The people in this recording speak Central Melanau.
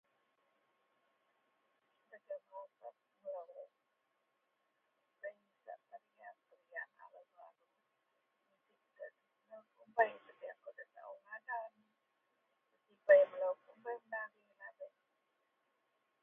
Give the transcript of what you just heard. Wak diharepkou mudei lau neh yenlah sepaya likou telou tetep aman damai pegui aneak sou sikou telou maju dagen kehidupan loyen serta tina tama sentiasa bak negui aneak duayen sapai bila-bila